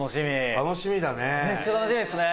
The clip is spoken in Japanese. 楽しみだね！